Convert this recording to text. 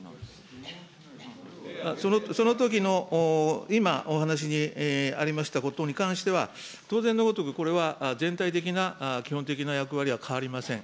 そのときの今、お話にありましたことに関しては、当然のごとく、これは全体的な基本的な役割は変わりません。